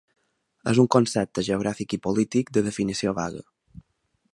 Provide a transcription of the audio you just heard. És un concepte geogràfic i polític de definició vaga.